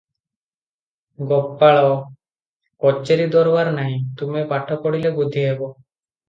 ଗୋପାଳ - "କଚେରି ଦରବାର ନାହିଁ, ତୁମେ ପାଠ ପଢ଼ିଲେ ବୁଦ୍ଧି ହେବ ।"